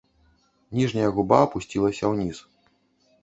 Ніжняя губа апусцілася ўніз.